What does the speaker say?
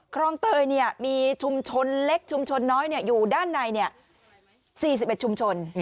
คลองเตยมีชุมชนเล็กชุมชนน้อยอยู่ด้านใน๔๑ชุมชน